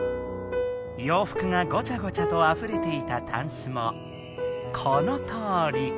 ようふくがごちゃごちゃとあふれていたタンスもこのとおり。